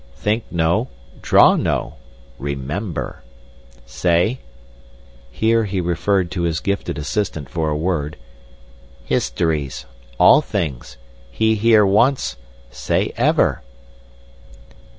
Think no, draw no—remember. Say'—here he referred to his gifted assistant for a word—'histories—all things. He hear once—say ever.